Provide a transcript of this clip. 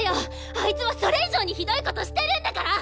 あいつはそれ以上にひどいことしてるんだから！